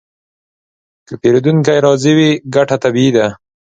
که پیرودونکی راضي وي، ګټه طبیعي ده.